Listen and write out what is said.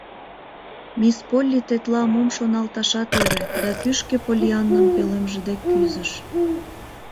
Мисс Полли тетла мом шоналташат ӧрӧ да кӱшкӧ Поллианнам пӧлемже дек кӱзыш.